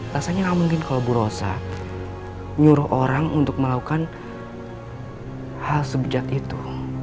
rasanya gak mungkin kalau bu rosa nyuruh orang untuk melakukan hal sebjak itu